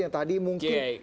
yang tadi mungkin